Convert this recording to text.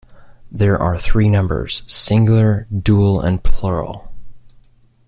There are three numbers, singular, dual and plural.